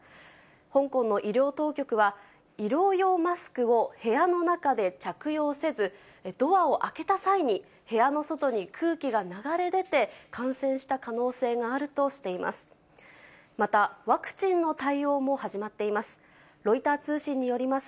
香港の医療当局は、医療用マスクを部屋の中で着用せず、ドアを開けた際に部屋の外に空気が流れ出て、感染した可能性があるとしています。